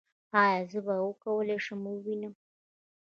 ایا زه به وکولی شم ووینم؟